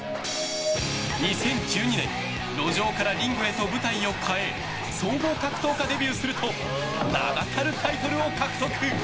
２０１２年路上からリングへと舞台を変え総合格闘家デビューすると名だたるタイトルを獲得。